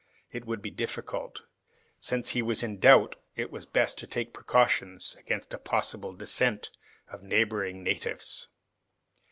It would be difficult. Since he was in doubt, it was best to take precautions against a possible descent of neighboring natives.